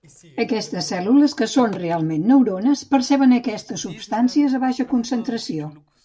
Aquestes cèl·lules que són realment neurones perceben aquestes substàncies a baixa concentració